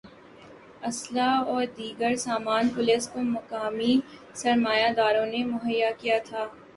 ہ اسلحہ اور دیگر سامان پولیس کو مقامی سرمایہ داروں نے مہیا کیا تھا